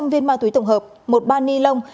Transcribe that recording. sáu trăm linh viên ma túy tổng hợp một ba ni lông